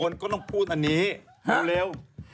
คนก็ต้องพูดอันนี้เร็ว